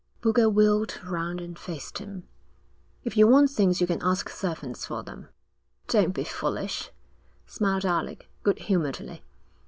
Boulger wheeled round and faced him. 'If you want things you can ask servants for them.' 'Don't be foolish,' smiled Alec, good humouredly.